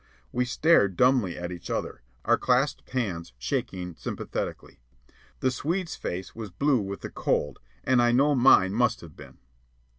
We stared dumbly at each other, our clasped hands shaking sympathetically. The Swede's face was blue with the cold, and I know mine must have been.